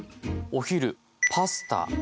お昼パスタ。